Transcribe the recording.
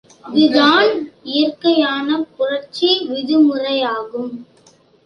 இதுதான் இயற்கையான புணர்ச்சி விதிமுறையாகும்.